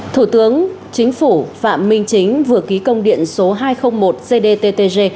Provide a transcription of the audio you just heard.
thủ tướng chính phủ phạm minh chính vừa ký công điện số hai trăm linh một cdttg